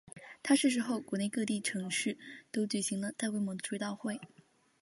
他逝世后国内各地城市都举行了大规模的追悼会。